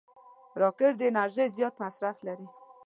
راکټ د انرژۍ زیات مصرف لري